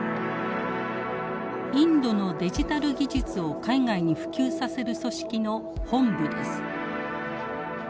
インドのデジタル技術を海外に普及させる組織の本部です。